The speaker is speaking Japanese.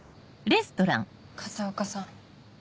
風岡さん。